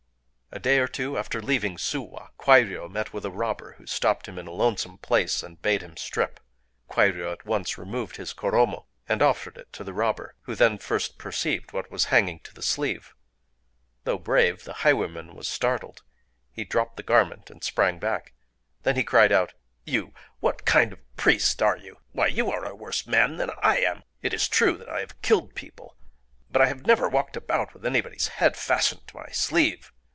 A day or two after leaving Suwa, Kwairyō met with a robber, who stopped him in a lonesome place, and bade him strip. Kwairyō at once removed his koromo, and offered it to the robber, who then first perceived what was hanging to the sleeve. Though brave, the highwayman was startled: he dropped the garment, and sprang back. Then he cried out:—"You!—what kind of a priest are you? Why, you are a worse man than I am! It is true that I have killed people; but I never walked about with anybody's head fastened to my sleeve...